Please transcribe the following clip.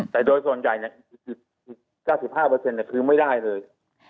แต่โดยส่วนใหญ่อีก๙๕คือไม่ได้เลย